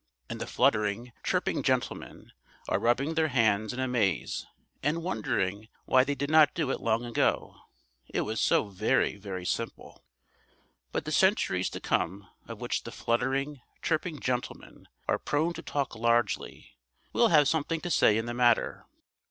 And the fluttering, chirping gentlemen are rubbing their hands in amaze and wondering why they did not do it long ago, it was so very, very simple. But the centuries to come, of which the fluttering, chirping gentlemen are prone to talk largely, will have something to say in the matter.